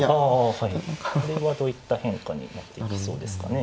これはどういった変化になっていきそうですかね。